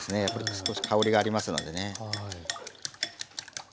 やっぱり少し香りがありますのでね。